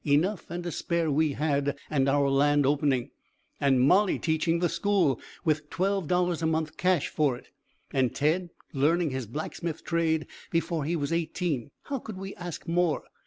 Enough and to spare we had; and our land opening; and Molly teaching the school, with twelve dollars a month cash for it, and Ted learning his blacksmith trade before he was eighteen. How could we ask more?